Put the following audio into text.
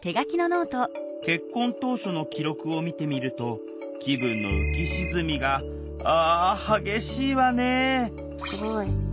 結婚当初の記録を見てみると気分の浮き沈みがあ激しいわねすごい。